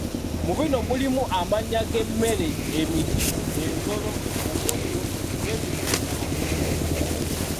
Mu bino mulimu amannya g’emmere, emiti, ensolo, omuddo, n’ebintu ebirala bingi.